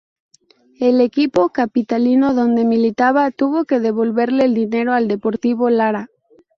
El equipo capitalino donde militaba tuvo que devolverle el dinero al Deportivo Lara.